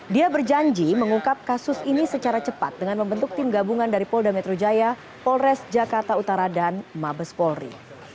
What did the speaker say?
dia berjanji mengungkap kasus ini secara cepat dengan membentuk tim gabungan dari polda metro jaya polres jakarta utara dan mabes polri